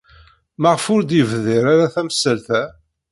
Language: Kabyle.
Maɣef ur d-yebdir ara tamsalt-a?